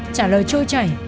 trả lời trôi chảy